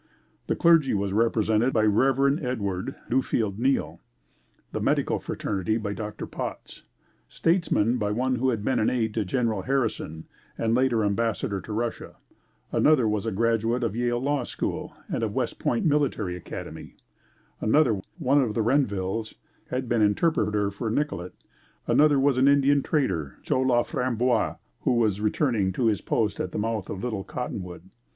The clergy was represented by Rev. Edward Duffield Neill; the medical fraternity by Dr. Potts; statesmen by one who had been an Aide to General Harrison and later Ambassador to Russia; another was a graduate of Yale Law School and of West Point Military Academy; another, one of the Renvilles, had been interpreter for Nicollet; another was an Indian Trader, Joe La Framboise, who was returning to his post at the mouth of Little Cottonwood.